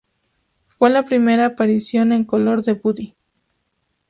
Fue la primera aparición en color de Buddy.